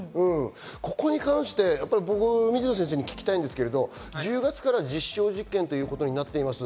ここに関して水野先生に聞きたいんですけど、１０月から実証実験ということになっています。